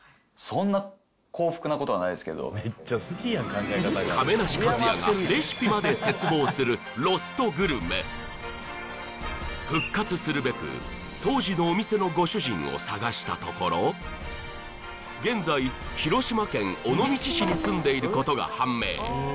それはだって亀梨和也がレシピまで切望するロストグルメ復活するべく当時のお店のご主人を捜したところ現在広島県尾道市に住んでいることが判明